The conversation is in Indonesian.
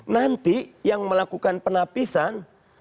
nanti yang melakukan penapisan